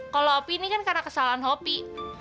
kalo opi ini kan karena kesalahan opi